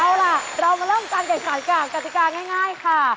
เอาล่ะเรามาเริ่มกันกันกันกล่าวกฎิการง่ายค่ะ